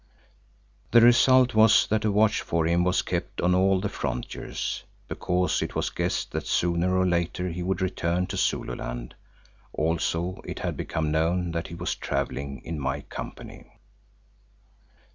The result was that a watch for him was kept on all the frontiers, because it was guessed that sooner or later he would return to Zululand; also it had become known that he was travelling in my company.